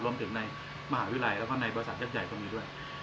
รวมถึงในมหาวิทยาลัยแล้วก็ในบริษัทยักษ์ใหญ่ตรงนี้ด้วย